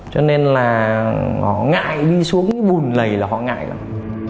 cho nên là họ ngại đi xuống bùn lầy là họ ngại lắm